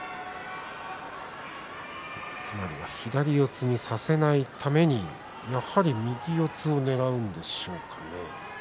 左四つにさせないためにやはり右四つをねらうでしょうか。